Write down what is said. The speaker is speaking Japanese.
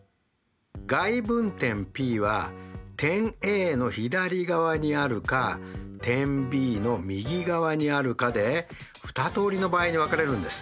外分点Ｐは点Ａの左側にあるか点Ｂの右側にあるかで２通りの場合に分かれるんです。